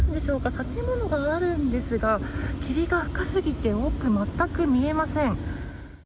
建物があるんですが霧が深すぎて奥、全く見えません。